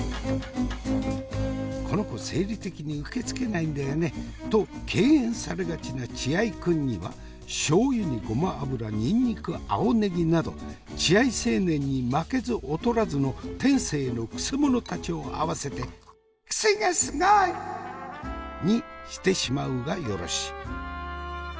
「この子生理的に受け付けないんだよね」と敬遠されがちな血合いくんにはしょう油にごま油にんにく青ねぎなど血合い青年に負けず劣らずの天性のクセ者たちを合わせて「クセがすごい！」にしてしまうがよろし。